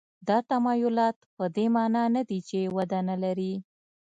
دا تمایلات په دې معنا نه دي چې وده نه لري.